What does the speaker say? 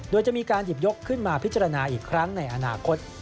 โดยจะมีการหยิบยกขึ้นมาพิจารณาอีกครั้งในอนาคต